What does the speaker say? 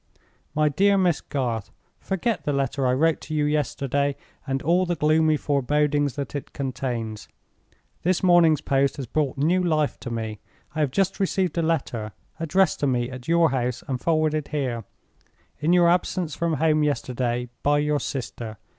"MY DEAR MISS GARTH, "Forget the letter I wrote to you yesterday, and all the gloomy forebodings that it contains. This morning's post has brought new life to me. I have just received a letter, addressed to me at your house, and forwarded here, in your absence from home yesterday, by your sister.